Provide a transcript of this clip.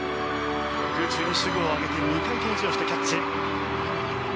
空中に手具を上げて２回転以上してキャッチ。